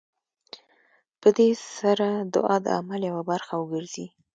په دې سره دعا د عمل يوه برخه وګرځي.